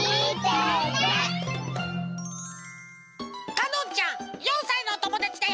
かのんちゃん４さいのおともだちだよ！